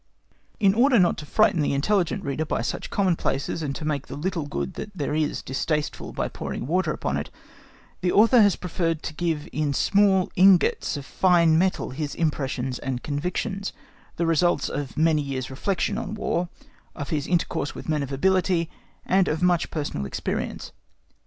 In order not to frighten the intelligent reader by such commonplaces, and to make the little good that there is distasteful by pouring water upon it, the Author has preferred to give in small ingots of fine metal his impressions and convictions, the result of many years' reflection on War, of his intercourse with men of ability, and of much personal experience.